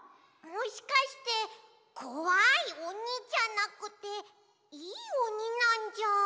もしかしてこわいおにじゃなくていいおになんじゃ。